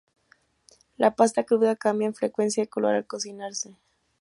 La pasta cruda cambia con frecuencia de color al cocinarse.